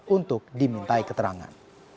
untuk dimintai keterangan